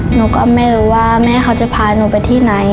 หนูก็ไม่รู้ว่าแม่เขาจะพาหนูไปที่ไหน